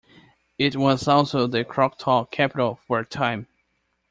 It was also the Choctaw capitol for a time.